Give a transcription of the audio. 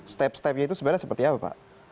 step stepnya itu sebenarnya seperti apa pak